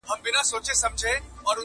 چي مي په کلیو کي بلا لنګه سي٫